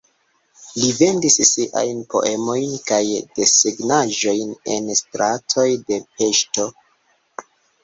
Li vendis siajn poemojn kaj desegnaĵojn en stratoj de Peŝto.